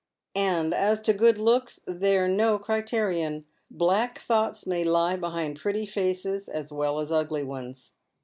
And as to good looks, they're no criterion. Black thoughts may lie behind pretty faces as well as ugly ones."